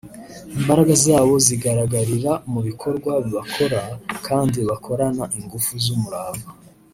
imbaraga zabo zigaragarira mu bikorwa bakora kandi bakorana ingufu n’umurava